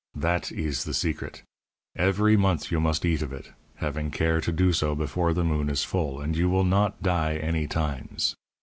That ees the secret. Everee month you must eat of it, having care to do so before the moon is full, and you will not die any times.